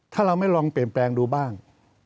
ถ้าเราไม่ลองเปลี่ยนแปลงดูบ้าง